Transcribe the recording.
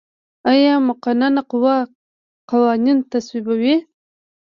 آیا مقننه قوه قوانین تصویبوي؟